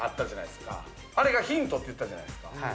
あれがヒントって言ったじゃないですか。